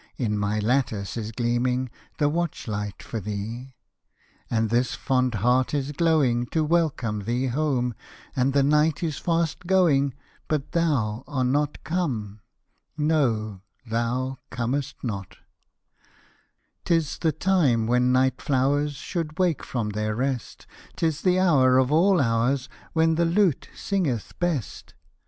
In my lattice is gleaming The watch light for thee ; Hosted by Google 82 EARLY POEMS, BALLADS, AND SONGS And this fond heart is glowing To welcome thee home, And the night is fast going, But thou art not come : No, thou comest not ! 'Tis the time when night flowers Should wake from their rest ; 'Tis the hour of all hours, When the lute singeth best.